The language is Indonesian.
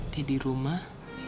dia di rumah